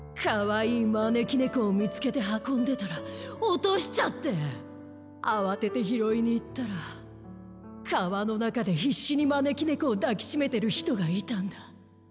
かわいいまねきねこをみつけてはこんでたらおとしちゃってあわててひろいにいったらかわのなかでひっしにまねきねこをだきしめてるひとがいたんだ。